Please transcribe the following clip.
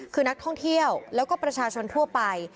คือนักท่องเที่ยวแล้วก็ประชาชนทั่วไป